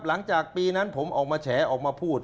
หลังจากปีนั้นผมออกมาแฉออกมาพูด